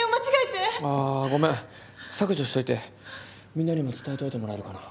みんなにも伝えておいてもらえるかな。